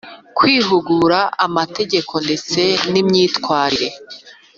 Kwihugura amategeko ndetse n imyitwarire